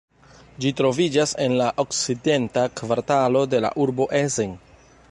Ĝi troviĝas en la Okcidenta Kvartalo de la urbo Essen.